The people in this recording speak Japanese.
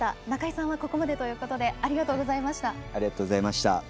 中井さんはここまでということでありがとうございました。